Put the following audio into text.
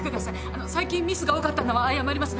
あの最近ミスが多かったのは謝ります。